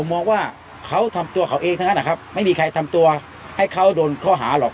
มองว่าเขาทำตัวเขาเองทั้งนั้นนะครับไม่มีใครทำตัวให้เขาโดนข้อหาหรอก